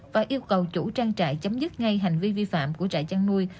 và yêu cầu chủ trang trại chấm dứt ngay hành vi vi phạm của trại chăn nuôi